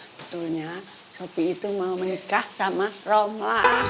sebetulnya sofi itu mau menikah sama roma